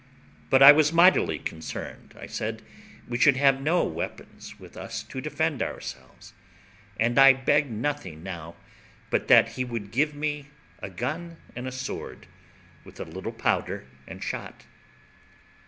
But I was mightily concerned, I said, we should have no weapons with us to defend ourselves, and I begged nothing now, but that he would give me a gun and a sword, with a little powder and shot.